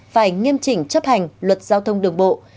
phải nghiêm chỉnh chấp hành luật giao thông đường bộ